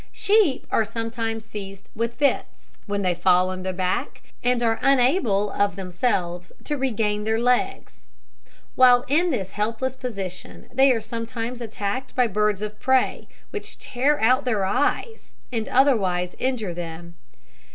Sheep are sometimes seized with fits, when they fall on their back, and are unable of themselves to regain their legs. While in this helpless position, they are sometimes attacked by birds of prey, which tear out their eyes, and otherwise injure them.